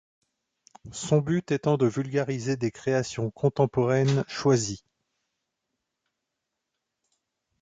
Son but étant de vulgariser des créations contemporaines choisies.